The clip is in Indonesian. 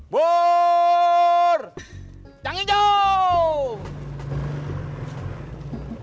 burr yang hijau